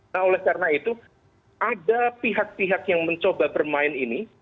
nah oleh karena itu ada pihak pihak yang mencoba bermain ini